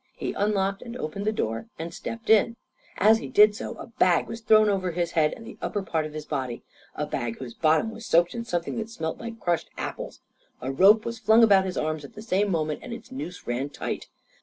He unlocked and opened the door and stepped in. As he did so a bag was thrown over his head, and the upper part of his body a bag whose bottom was soaked in something that smelt like crushed apples. A rope was flung about his arms at the same moment and its noose ran tight.